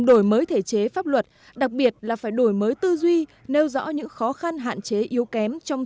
đổi mới thể chế pháp luật đặc biệt là phải đổi mới tư duy nêu rõ những khó khăn hạn chế yếu kém trong